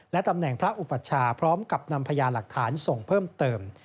ตำแหน่งพระอุปัชชาพร้อมกับนำพยานหลักฐานส่งเพิ่มเติม